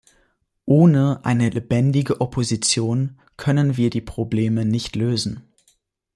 Ohne eine lebendige Opposition können wir die Probleme nicht lösen.